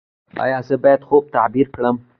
ایا زه باید خوب تعبیر کړم؟